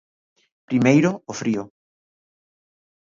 Primeiro o frío.